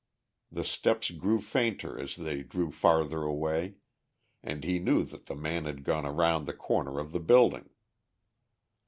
The steps grew fainter as they drew farther away, and he knew that the man had gone around the corner of the building.